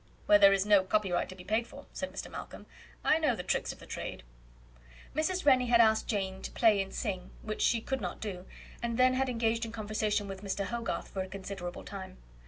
"Where there is no copyright to be paid for," said Mr. Malcolm; "I know the tricks of the trade." Mrs. Rennie had asked Jane to play and sing, which she could not do, and then had engaged in conversation with Mr. Hogarth for a considerable time.